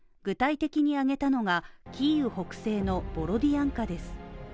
具体的にあげたのがキーウ北西のボロディアンカです。